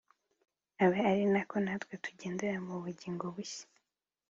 Abe ari nako natwe tugendera mu bugingo bushya